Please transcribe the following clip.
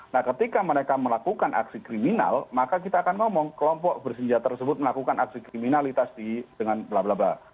nah ketika mereka melakukan aksi kriminal maka kita akan ngomong kelompok bersenjata tersebut melakukan aksi kriminalitas dengan bla bla bla